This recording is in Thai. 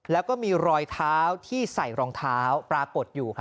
แล้วก็มีรอยเท้าที่ใส่รองเท้าปรากฏอยู่